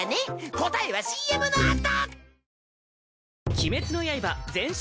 答えはＣＭのあと。